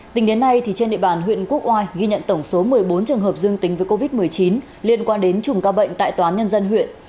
tính đến nay trên địa bàn huyện quốc oai ghi nhận tổng số một mươi bốn trường hợp dương tính với covid một mươi chín liên quan đến chùm ca bệnh tại tòa án nhân dân huyện